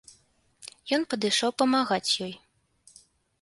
Ён падышоў памагаць ёй.